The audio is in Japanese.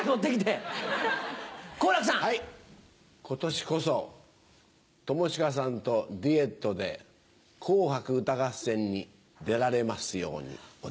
今年こそ友近さんとデュエットで『紅白歌合戦』に出られますように。